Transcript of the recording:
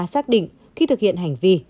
xác định khi thực hiện hành vi